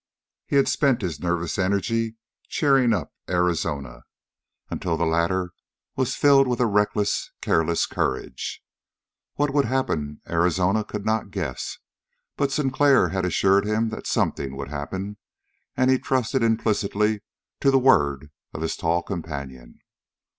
He had spent his nervous energy cheering up Arizona, until the latter was filled with a reckless, careless courage. What would happen Arizona could not guess, but Sinclair had assured him that something would happen, and he trusted implicitly to the word of his tall companion.